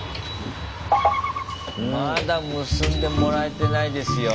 まだ結んでもらえてないですよ